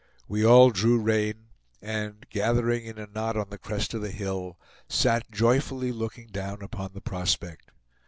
We all drew rein, and, gathering in a knot on the crest of the hill, sat joyfully looking down upon the prospect.